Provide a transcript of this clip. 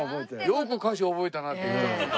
よく歌詞覚えたなって。